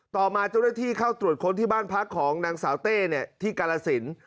ต่อมาเจ้าหน้าที่เข้าตรวจค้นที่บ้านพักของนางสาวเต้ที่กาลสิน